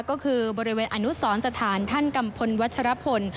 ก็คือบริเวณอนุสรสถานท่านกัมพลวัชรพล